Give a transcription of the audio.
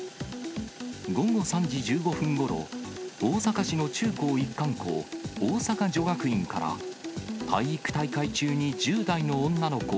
午後３時１５分ごろ、大阪市の中高一貫校、大阪女学院から、体育大会中に１０代の女の子